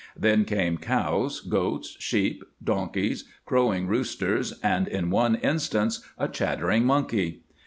Then came cows, goats, sheep, donkeys, crowing roosters, and in one in stance a chattering monkey.